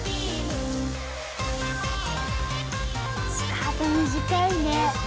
スカート短いね。